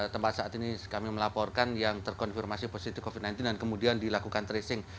tempat saat ini kami melaporkan yang terkonfirmasi positif covid sembilan belas dan kemudian dilakukan tracing